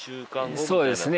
そうですね。